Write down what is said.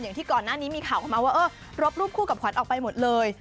อย่างที่ก่อนหน้านี้มีข่าวออกมาว่าเออรบรูปคู่กับขวัญออกไปหมดเลย